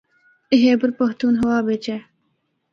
اے خیبر پختونخواہ بچ اے۔